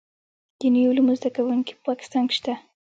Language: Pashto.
دیني علومو زده کوونکي په پاکستان کې شته.